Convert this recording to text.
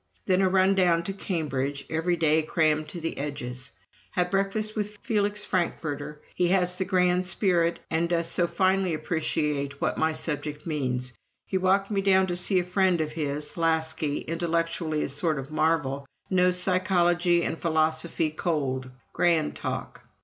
Then a run down to Cambridge, every day crammed to the edges. "Had breakfast with Felix Frankfurter. He has the grand spirit and does so finely appreciate what my subject means. He walked me down to see a friend of his, Laski, intellectually a sort of marvel knows psychology and philosophy cold grand talk.